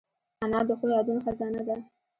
انا د ښو یادونو خزانه ده